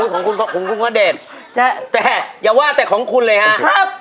ของคุณคงว่าเด่นแต่อย่าว่าแต่ของคุณเลยฮะกรบ